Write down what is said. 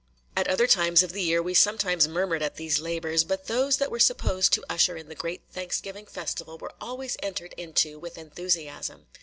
At other times of the year we sometimes murmured at these labors, but those that were supposed to usher in the great Thanksgiving festival were always entered into with enthusiasm.